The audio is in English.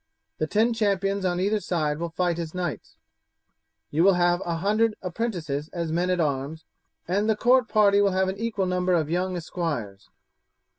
The ten champions on either side will fight as knights; you will have a hundred apprentices as men at arms, and the court party will have an equal number of young esquires.